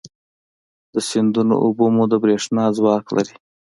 د سیندونو اوبه مو د برېښنا ځواک لري.